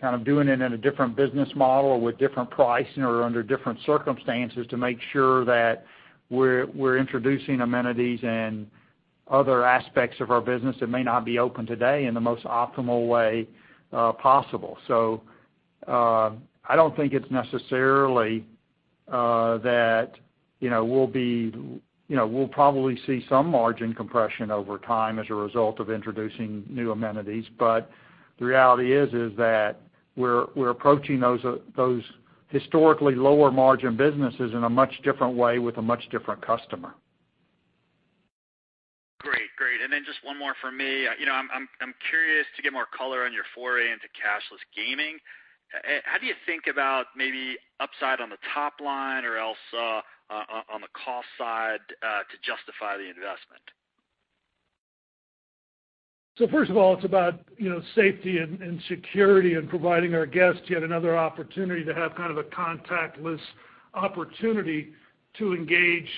kind of doing it in a different business model or with different pricing or under different circumstances, to make sure that we're introducing amenities and other aspects of our business that may not be open today in the most optimal way possible. So, I don't think it's necessarily that, you know, we'll probably see some margin compression over time as a result of introducing new amenities. But the reality is that- ... we're approaching those historically lower margin businesses in a much different way with a much different customer. Great, great. And then just one more for me. You know, I'm curious to get more color on your foray into cashless gaming. How do you think about maybe upside on the top line or else, on the cost side, to justify the investment? So first of all, it's about, you know, safety and, and security and providing our guests yet another opportunity to have kind of a contactless opportunity to engage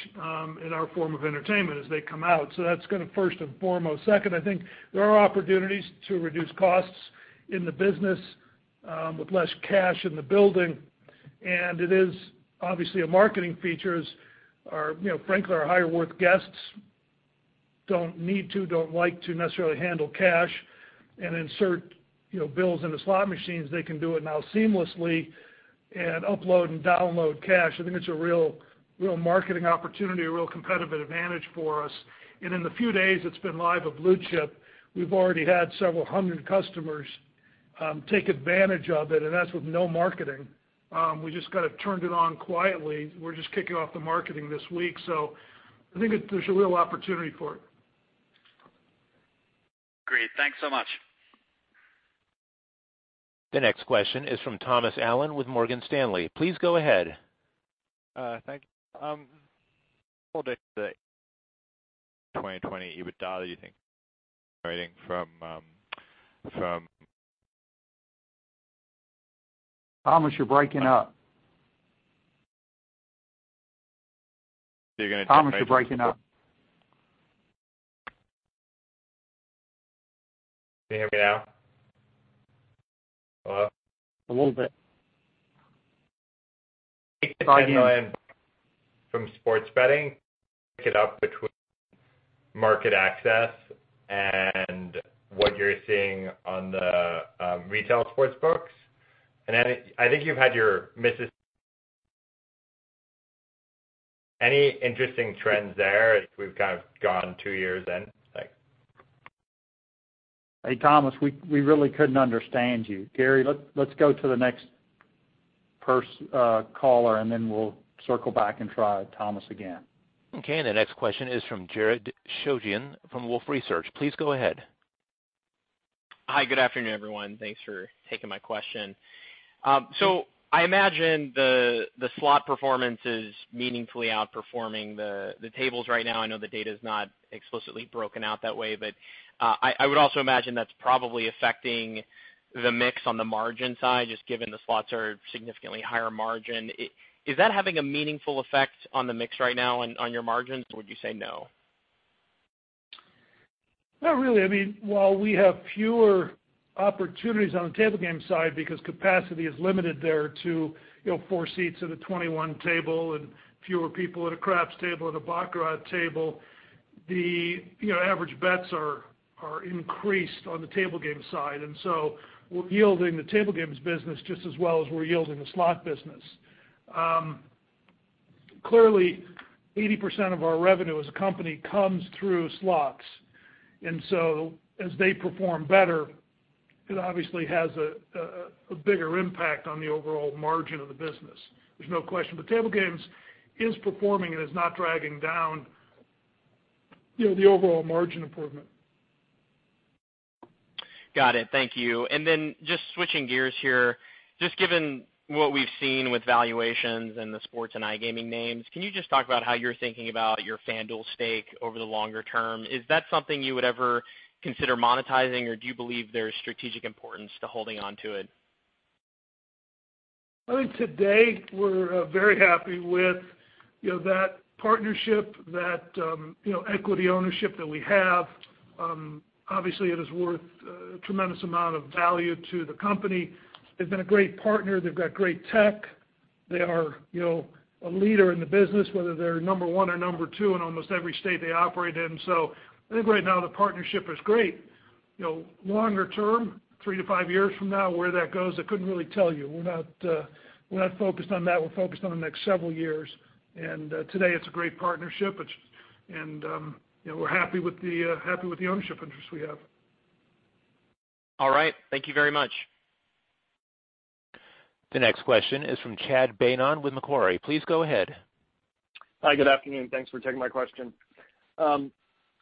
in our form of entertainment as they come out. So that's kind of first and foremost. Second, I think there are opportunities to reduce costs in the business with less cash in the building, and it is obviously a marketing feature, as our, you know, frankly, our higher worth guests don't need to, don't like to necessarily handle cash and insert, you know, bills into slot machines. They can do it now seamlessly and upload and download cash. I think it's a real, real marketing opportunity, a real competitive advantage for us. And in the few days, it's been live at Blue Chip, we've already had several hundred customers take advantage of it, and that's with no marketing. We just kind of turned it on quietly. We're just kicking off the marketing this week, so I think there's a real opportunity for it. Great. Thanks so much. The next question is from Thomas Allen with Morgan Stanley. Please go ahead. Thank you. 2020 EBITDA, do you think from Thomas, you're breaking up. You're gonna- Thomas, you're breaking up. Can you hear me now? Hello? A little bit. From sports betting, pick it up between market access and what you're seeing on the retail sportsbooks. And I think you've had your misses... Any interesting trends there as we've kind of gone two years in? Thanks. Hey, Thomas, we, we really couldn't understand you. Gary, let's go to the next caller, and then we'll circle back and try Thomas again. Okay, and the next question is from Jared Shojaian from Wolfe Research. Please go ahead. Hi, good afternoon, everyone. Thanks for taking my question. So I imagine the slot performance is meaningfully outperforming the tables right now. I know the data is not explicitly broken out that way, but I would also imagine that's probably affecting the mix on the margin side, just given the slots are significantly higher margin. Is that having a meaningful effect on the mix right now on your margins, or would you say no? Not really. I mean, while we have fewer opportunities on the table game side, because capacity is limited there to, you know, four seats at a 21 table and fewer people at a craps table and a baccarat table, you know, average bets are increased on the table game side, and so we're yielding the table games business just as well as we're yielding the slot business. Clearly, 80% of our revenue as a company comes through slots, and so as they perform better, it obviously has a bigger impact on the overall margin of the business. There's no question, but table games is performing and is not dragging down, you know, the overall margin improvement. Got it. Thank you. And then just switching gears here, just given what we've seen with valuations and the sports and iGaming names, can you just talk about how you're thinking about your FanDuel stake over the longer term? Is that something you would ever consider monetizing, or do you believe there's strategic importance to holding on to it? I think today we're very happy with, you know, that partnership, that, you know, equity ownership that we have. Obviously, it is worth a tremendous amount of value to the company. They've been a great partner. They've got great tech. They are, you know, a leader in the business, whether they're number one or number two in almost every state they operate in. So I think right now the partnership is great. You know, longer term, 3-5 years from now, where that goes, I couldn't really tell you. We're not, we're not focused on that. We're focused on the next several years. And, today it's a great partnership, and, you know, we're happy with the, happy with the ownership interest we have. All right. Thank you very much. The next question is from Chad Beynon with Macquarie. Please go ahead. Hi, good afternoon. Thanks for taking my question.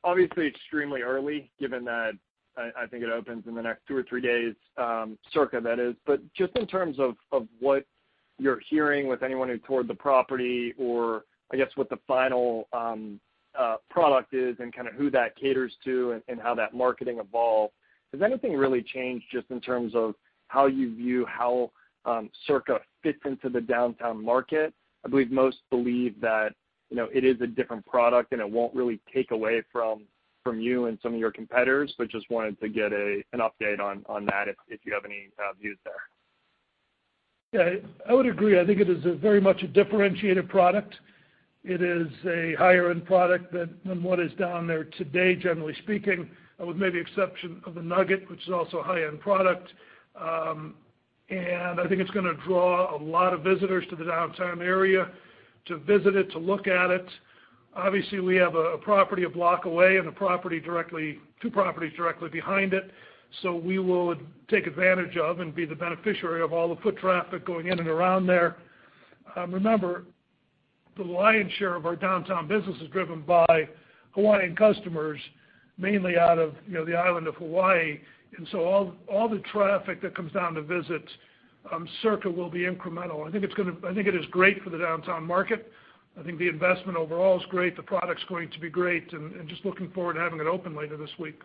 Obviously extremely early, given that I think it opens in the next two or three days, Circa that is. But just in terms of what you're hearing with anyone who toured the property or I guess what the final product is and kind of who that caters to and how that marketing evolved, has anything really changed just in terms of how you view how Circa fits into the downtown market? I believe most believe that, you know, it is a different product, and it won't really take away from you and some of your competitors, but just wanted to get an update on that, if you have any views there. Yeah, I would agree. I think it is a very much a differentiated product. It is a higher-end product than, than what is down there today, generally speaking, with maybe exception of the Nugget, which is also a high-end product. And I think it's going to draw a lot of visitors to the downtown area to visit it, to look at it. Obviously, we have a, a property a block away, and a property directly, two properties directly behind it. So we will take advantage of and be the beneficiary of all the foot traffic going in and around there. Remember, the lion's share of our downtown business is driven by Hawaiian customers, mainly out of, you know, the island of Hawaii. And so all, all the traffic that comes down to visit Circa will be incremental. I think it is great for the downtown market. I think the investment overall is great, the product's going to be great, and just looking forward to having it open later this week.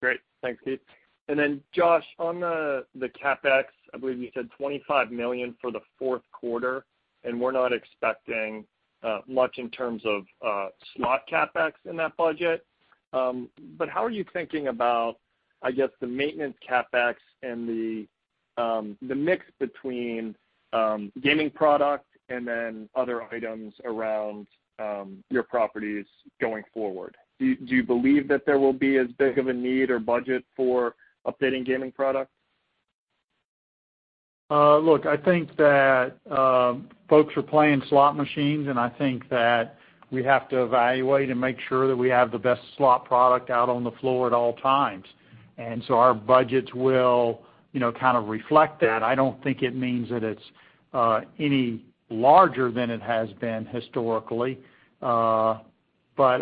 Great. Thanks, Keith. And then, Josh, on the CapEx, I believe you said $25 million for the fourth quarter, and we're not expecting much in terms of slot CapEx in that budget. But how are you thinking about, I guess, the maintenance CapEx and the mix between gaming product and then other items around your properties going forward? Do you believe that there will be as big of a need or budget for updating gaming product? Look, I think that folks are playing slot machines, and I think that we have to evaluate and make sure that we have the best slot product out on the floor at all times. And so our budgets will, you know, kind of reflect that. I don't think it means that it's any larger than it has been historically. But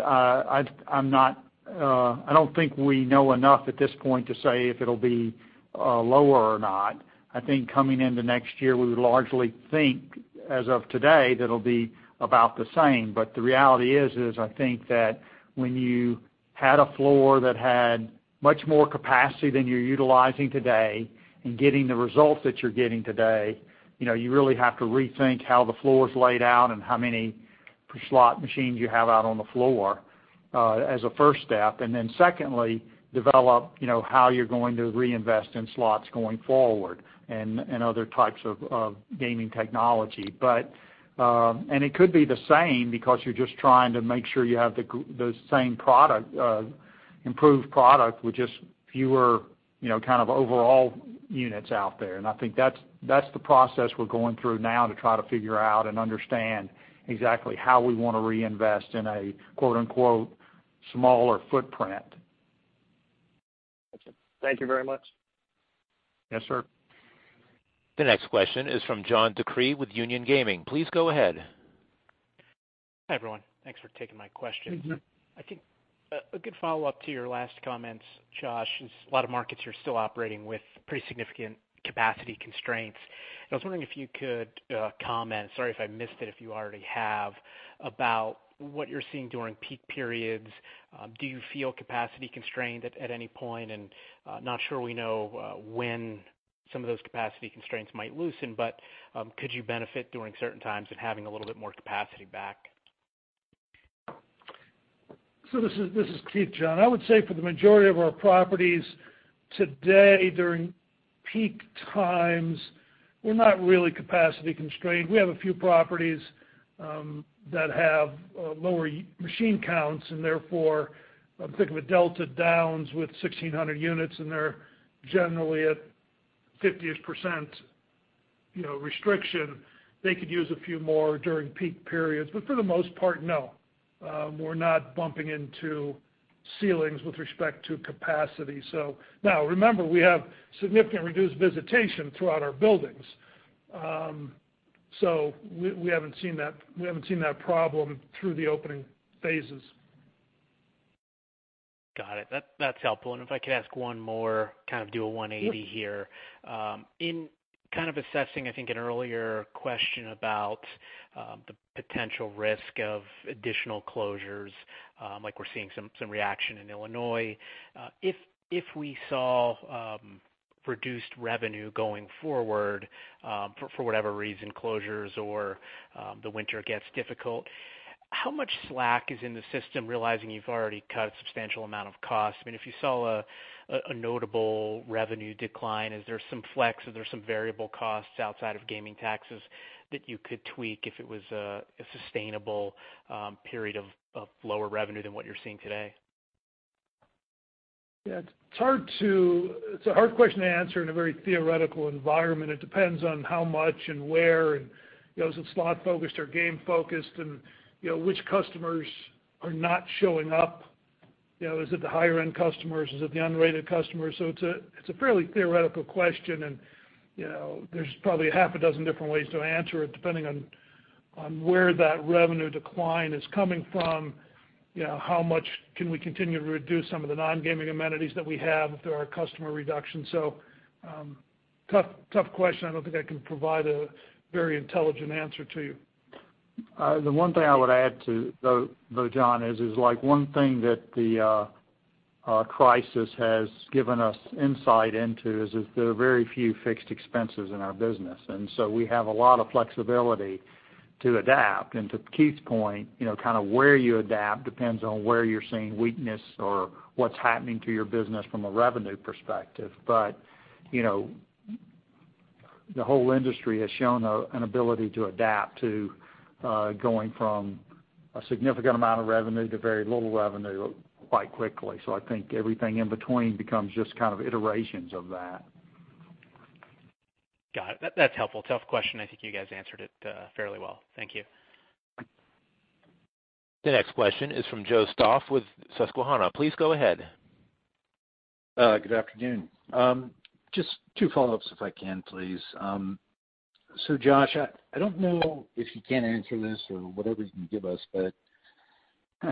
I'm not... I don't think we know enough at this point to say if it'll be lower or not. I think coming into next year, we would largely think, as of today, that it'll be about the same. But the reality is, I think that when you had a floor that had much more capacity than you're utilizing today and getting the results that you're getting today, you know, you really have to rethink how the floor is laid out and how many slot machines you have out on the floor as a first step. And then secondly, develop, you know, how you're going to reinvest in slots going forward and other types of gaming technology. But it could be the same because you're just trying to make sure you have the same product, improved product with just fewer, you know, kind of overall units out there. And I think that's the process we're going through now to try to figure out and understand exactly how we want to reinvest in a quote unquote smaller footprint. Thank you very much. Yes, sir. The next question is from John DeCree with Union Gaming. Please go ahead. Hi, everyone. Thanks for taking my question. Mm-hmm. I think a good follow-up to your last comments, Josh, is a lot of markets are still operating with pretty significant capacity constraints. I was wondering if you could comment, sorry if I missed it, if you already have, about what you're seeing during peak periods. Do you feel capacity constrained at any point? And not sure we know when some of those capacity constraints might loosen, but could you benefit during certain times in having a little bit more capacity back? So this is, this is Keith, John. I would say for the majority of our properties, today, during peak times, we're not really capacity constrained. We have a few properties that have lower machine counts, and therefore, I'm thinking of a Delta Downs with 1,600 units, and they're generally at 50%, you know, restriction. They could use a few more during peak periods, but for the most part, no, we're not bumping into ceilings with respect to capacity. So now, remember, we have significant reduced visitation throughout our buildings. So we haven't seen that, we haven't seen that problem through the opening phases. Got it. That, that's helpful. If I could ask one more, kind of do a one-eighty here. Yep. In kind of assessing, I think, an earlier question about the potential risk of additional closures, like we're seeing some reaction in Illinois. If we saw reduced revenue going forward, for whatever reason, closures or the winter gets difficult, how much slack is in the system, realizing you've already cut a substantial amount of costs? I mean, if you saw a notable revenue decline, is there some flex, is there some variable costs outside of gaming taxes that you could tweak if it was a sustainable period of lower revenue than what you're seeing today? Yeah, it's hard to... It's a hard question to answer in a very theoretical environment. It depends on how much and where, and, you know, is it slot-focused or game-focused, and, you know, which customers are not showing up? You know, is it the higher-end customers? Is it the unrated customers? So it's a fairly theoretical question, and, you know, there's probably six different ways to answer it, depending on where that revenue decline is coming from, you know, how much can we continue to reduce some of the non-gaming amenities that we have through our customer reduction? So, tough, tough question. I don't think I can provide a very intelligent answer to you. The one thing I would add to, though, John, is like one thing that the crisis has given us insight into is there are very few fixed expenses in our business, and so we have a lot of flexibility to adapt. And to Keith's point, you know, kind of where you adapt depends on where you're seeing weakness or what's happening to your business from a revenue perspective. But, you know, the whole industry has shown an ability to adapt to going from a significant amount of revenue to very little revenue quite quickly. So I think everything in between becomes just kind of iterations of that. Got it. That, that's helpful. Tough question. I think you guys answered it fairly well. Thank you. The next question is from Joseph Stauff with Susquehanna. Please go ahead. Good afternoon. Just two follow-ups if I can, please. So Josh, I don't know if you can't answer this or whatever you can give us, but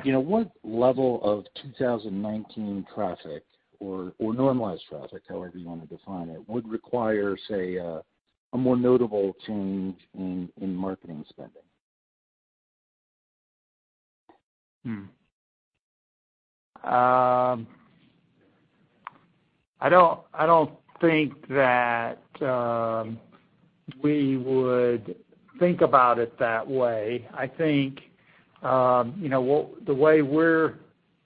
you know, what level of 2019 traffic or normalized traffic, however you wanna define it, would require, say, a more notable change in marketing spending? Hmm. I don't think that we would think about it that way. I think, you know, the way we're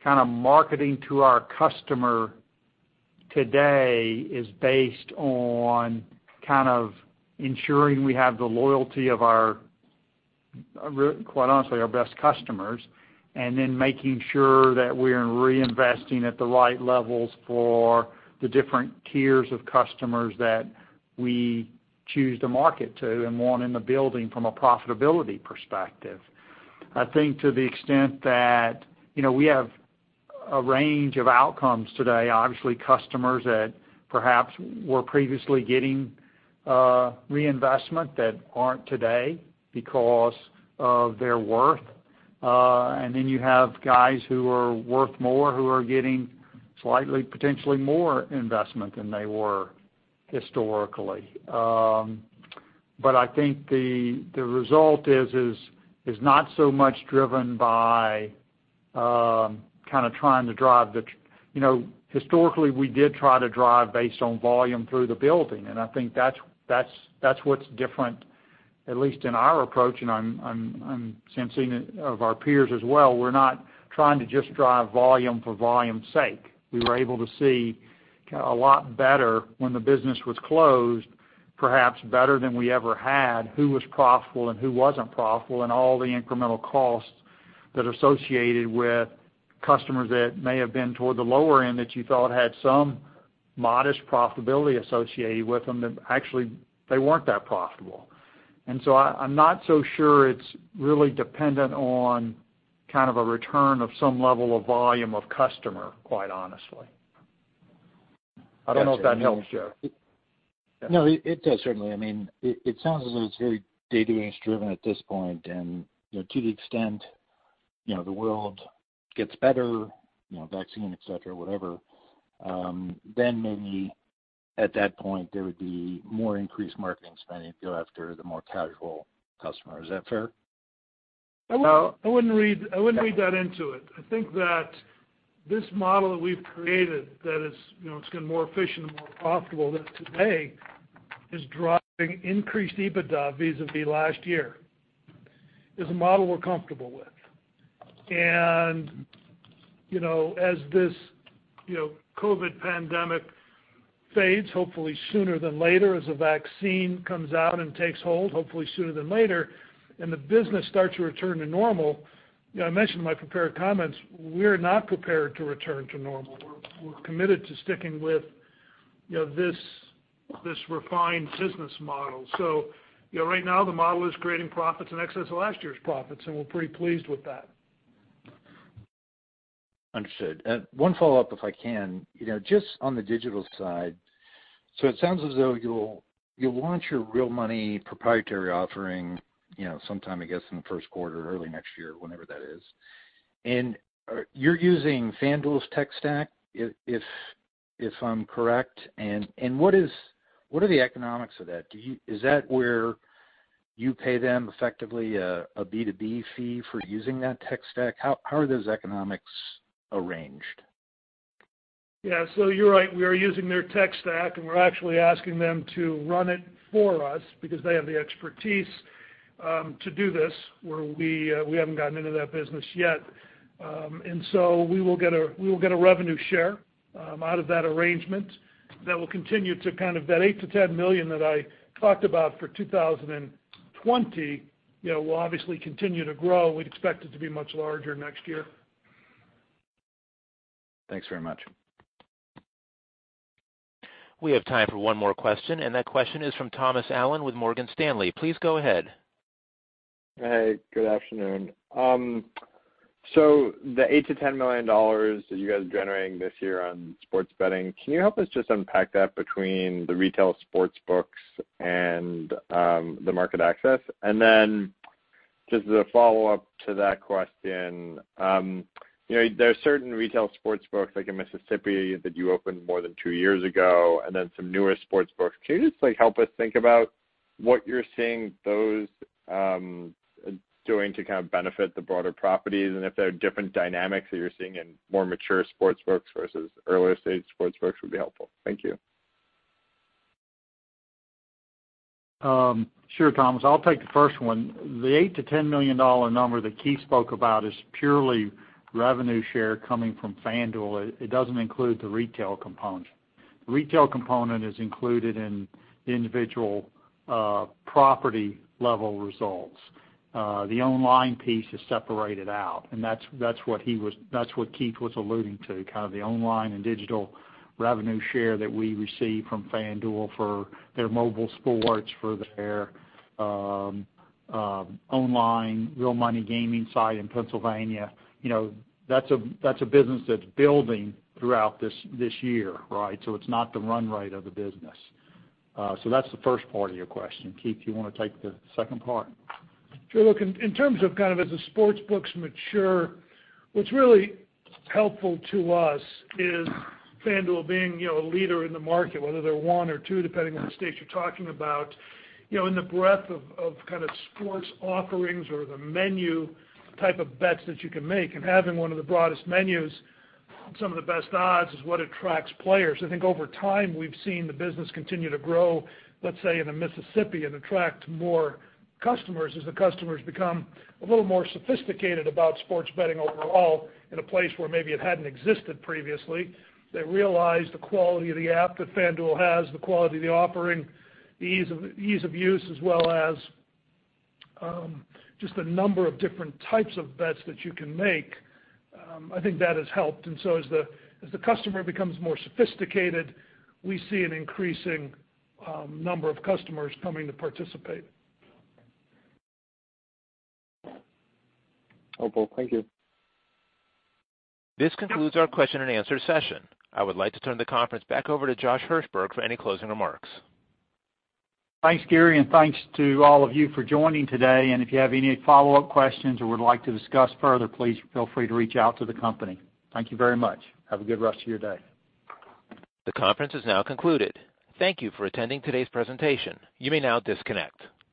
kind of marketing to our customer today is based on kind of ensuring we have the loyalty of our, quite honestly, our best customers, and then making sure that we're reinvesting at the right levels for the different tiers of customers that we choose to market to and want in the building from a profitability perspective. I think to the extent that, you know, we have a range of outcomes today, obviously, customers that perhaps were previously getting reinvestment that aren't today because of their worth. And then you have guys who are worth more, who are getting slightly, potentially more investment than they were historically. But I think the result is not so much driven by kind of trying to drive the... You know, historically, we did try to drive based on volume through the building, and I think that's what's different, at least in our approach, and I'm sensing it of our peers as well. We're not trying to just drive volume for volume's sake. We were able to see a lot better when the business was closed, perhaps better than we ever had, who was profitable and who wasn't profitable, and all the incremental costs that are associated with customers that may have been toward the lower end, that you thought had some modest profitability associated with them, that actually they weren't that profitable. And so I, I'm not so sure it's really dependent on kind of a return of some level of volume of customer, quite honestly. I don't know if that helps, Joe. No, it does, certainly. I mean, it sounds as though it's very database driven at this point, and, you know, to the extent, you know, the world gets better, you know, vaccine, et cetera, whatever, then maybe at that point, there would be more increased marketing spending to go after the more casual customer. Is that fair? I wouldn't read that into it. I think that this model that we've created, that is, you know, it's getting more efficient and more profitable than today, is driving increased EBITDA vis-à-vis last year, is a model we're comfortable with. And, you know, as this, you know, COVID pandemic fades, hopefully sooner than later, as a vaccine comes out and takes hold, hopefully sooner than later, and the business starts to return to normal, you know, I mentioned in my prepared comments, we're not prepared to return to normal. We're committed to sticking with, you know, this refined business model. So, you know, right now, the model is creating profits in excess of last year's profits, and we're pretty pleased with that. Understood. One follow-up, if I can. You know, just on the digital side, so it sounds as though you'll launch your real money proprietary offering, you know, sometime, I guess, in the first quarter, early next year, whenever that is. And, you're using FanDuel's tech stack, if I'm correct, and what are the economics of that? Do you... Is that where you pay them effectively a B2B fee for using that tech stack? How are those economics arranged? Yeah, so you're right. We are using their tech stack, and we're actually asking them to run it for us because they have the expertise to do this, where we haven't gotten into that business yet. And so we will get a revenue share out of that arrangement that will continue to kind of. That $8 million-$10 million that I talked about for 2020, you know, will obviously continue to grow. We'd expect it to be much larger next year. Thanks very much. We have time for one more question, and that question is from Thomas Allen with Morgan Stanley. Please go ahead. Hey, good afternoon. So the $8 million-$10 million that you guys are generating this year on sports betting, can you help us just unpack that between the retail sportsbooks and the market access? And then, just as a follow-up to that question, you know, there are certain retail sportsbooks, like in Mississippi, that you opened more than two years ago, and then some newer sportsbooks. Can you just, like, help us think about what you're seeing those doing to kind of benefit the broader properties? And if there are different dynamics that you're seeing in more mature sportsbooks versus earlier stage sportsbooks, would be helpful. Thank you. Sure, Thomas. I'll take the first one. The $8 million-$10 million number that Keith spoke about is purely revenue share coming from FanDuel. It, it doesn't include the retail component.... The retail component is included in the individual, property level results. The online piece is separated out, and that's, that's what he was-- that's what Keith was alluding to, kind of the online and digital revenue share that we receive from FanDuel for their mobile sports, for their, online real money gaming site in Pennsylvania. You know, that's a, that's a business that's building throughout this, this year, right? So it's not the run rate of the business. So that's the first part of your question. Keith, you want to take the second part? Sure. Look, in terms of kind of as the sportsbooks mature, what's really helpful to us is FanDuel being, you know, a leader in the market, whether they're one or two, depending on the states you're talking about. You know, in the breadth of kind of sports offerings or the menu type of bets that you can make, and having one of the broadest menus, some of the best odds, is what attracts players. I think over time, we've seen the business continue to grow, let's say, in Mississippi, and attract more customers. As the customers become a little more sophisticated about sports betting overall in a place where maybe it hadn't existed previously, they realize the quality of the app that FanDuel has, the quality of the offering, the ease of use, as well as just the number of different types of bets that you can make. I think that has helped. And so as the customer becomes more sophisticated, we see an increasing number of customers coming to participate. Okay, thank you. This concludes our question-and-answer session. I would like to turn the conference back over to Josh Hirsberg for any closing remarks. Thanks, Gary, and thanks to all of you for joining today. If you have any follow-up questions or would like to discuss further, please feel free to reach out to the company. Thank you very much. Have a good rest of your day. The conference is now concluded. Thank you for attending today's presentation. You may now disconnect.